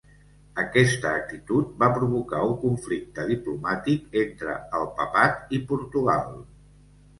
Aquesta actitud va provocar un conflicte diplomàtic entre el Papat i Portugal.